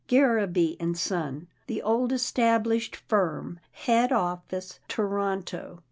' Garraby and Son, the old established firm. Head office, Toronto.